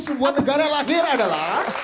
sebuah negara lahir adalah